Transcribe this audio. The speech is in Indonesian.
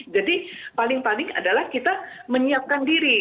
jadi paling paling adalah kita menyiapkan diri